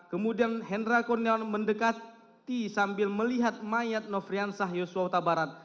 kemudian hendra kurniawan mendekati sambil melihat mayat nofrian sahyus yota barat